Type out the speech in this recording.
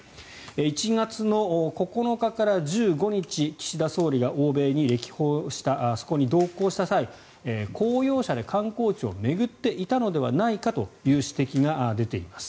１月の９日から１５日岸田総理が欧米に歴訪したそこに同行した際公用車で観光地を巡っていたのではないかという指摘が出ています。